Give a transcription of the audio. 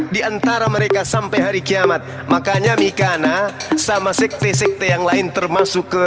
di antara mereka sampai hari kiamat makanya micana sama sekte sekte yang lain termasuk ke